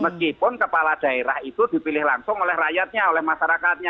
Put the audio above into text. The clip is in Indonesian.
meskipun kepala daerah itu dipilih langsung oleh rakyatnya oleh masyarakatnya